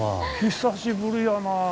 久しぶりやな。